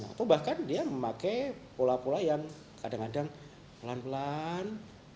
atau bahkan dia memakai pola pola yang kadang kadang pelan pelan